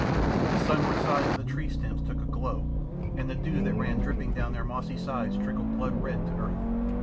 The sunward sides of the tree stems took a glow, and the dew that ran dripping down their mossy sides trickled blood red to earth.